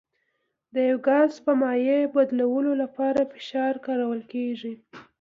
د یو ګاز په مایع بدلولو لپاره فشار کارول کیږي.